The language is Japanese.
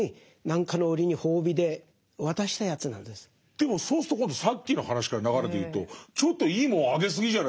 でもそうすると今度さっきの話から流れでいうとちょっといいもんあげすぎじゃないですか。